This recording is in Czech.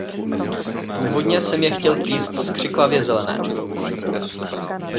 Původně jsem je chtěl plíst z křiklavě zelené.